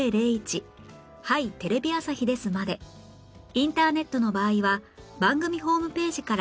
インターネットの場合は番組ホームページから入力してください